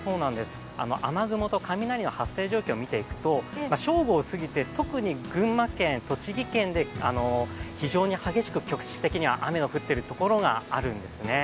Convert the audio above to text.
雨雲と雷の発生状況を見ていくと正午を過ぎて特に群馬県、栃木県で非常に激しく局地的に雨の降っているところがあるんですね。